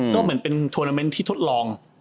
ก็เหมือนเป็นโทรนาเมนต์ที่ทดลอง